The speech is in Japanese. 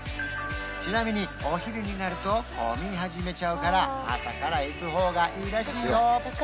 ちなみにお昼になると混み始めちゃうから朝から行く方がいいらしいよ